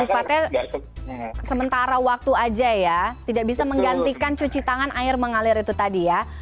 sifatnya sementara waktu aja ya tidak bisa menggantikan cuci tangan air mengalir itu tadi ya